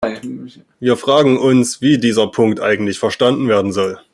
Wir fragen uns, wie dieser Punkt eigentlich verstanden werden soll.